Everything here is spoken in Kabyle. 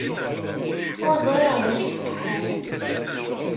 Ur ẓriɣ d acu iṣeḥḥan.